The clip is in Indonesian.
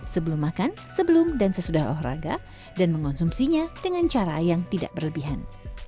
sebelum makan sebelum dan sesudah olahraga dan mengonsumsinya dengan cara yang tidak berlebihan